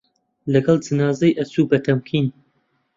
لەگەڵ جەنازەی ئەچوو بە تەمکین